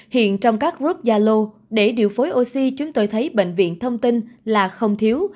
hiện trong các rút gia lô để điều phối oxy chúng tôi thấy bệnh viện thông tin là không thiếu